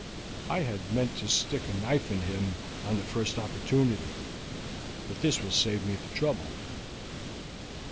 I had meant to stick a knife in him on the first opportunity, but this will save me the trouble."